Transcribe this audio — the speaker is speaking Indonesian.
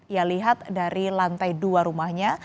ia lihat dari lantai dua rumahnya